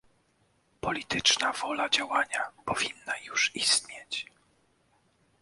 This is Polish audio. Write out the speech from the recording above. Polityczna wola działania powinna już istnieć